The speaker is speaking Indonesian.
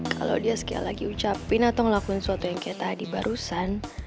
kalau dia sekali lagi ucapin atau ngelakuin sesuatu yang kayak tadi barusan